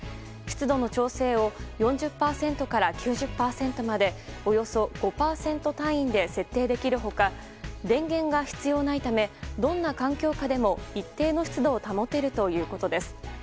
湿度の調整を４０％から９０％までおよそ５％単位で設定できる他電源が必要ないためどんな環境下でも一定の湿度を保てるということです。